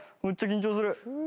めっちゃ緊張する。